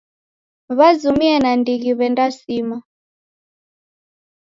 W'azumie nandighi w'endasima.